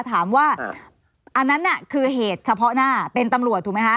อันนั้นน่ะคือเหตุเฉพาะหน้าเป็นตำรวจถูกไหมคะ